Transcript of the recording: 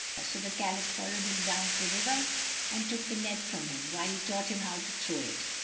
So the Caliph followed him down to the river and took the net from him, whilst he taught him how to throw it.